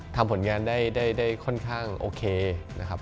ทำผลงานได้ค่อนข้างโอเคนะครับ